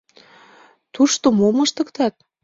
— Тушто мом ыштыктат?